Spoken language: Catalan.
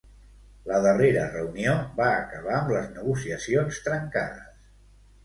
La darrera reunió va acabar amb les negociacions trencades.